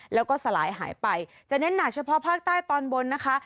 แล้วก็สลายหายไปจะเน้นหนักเฉพาะภาคใต้ตอนบนนะคะ